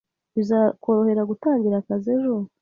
Bizakorohera gutangira akazi ejo?